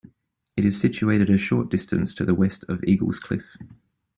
It is situated a short distance to the west of Eaglescliffe.